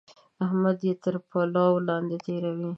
احمد يې تر پلو لاندې تېروي.